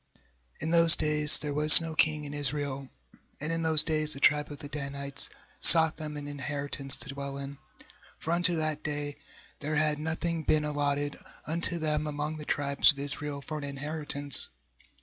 "| Q In those days there was no king xu in Israel; and in those days the tribe of the Danites sought them an inheritance to dwell in; for unto that day there had nothing been allotted unto them among the tribes of Israel for an inheritance.